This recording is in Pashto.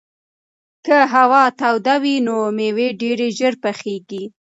که هوا توده وي نو مېوې ډېرې ژر پخېږي.